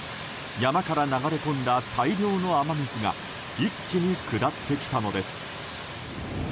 山から流れ込んだ大量の雨水が一気に下ってきたのです。